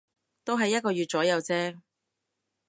都係一個月左右啫